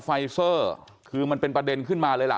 ไฟเซอร์คือมันเป็นประเด็นขึ้นมาเลยล่ะ